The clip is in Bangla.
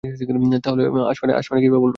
তাহলে আসমানে কীভাবে বলব, স্যার?